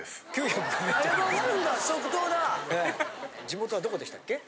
地元はどこでしたっけ？